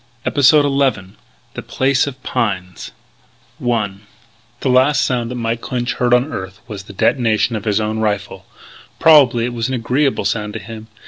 EPISODE ELEVEN THE PLACE OF PINES I The last sound that Mike Clinch heard on earth was the detonation of his own rifle. Probably it was an agreeable sound to him.